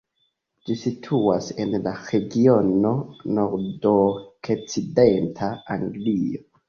Ĝi situas en la regiono nordokcidenta Anglio.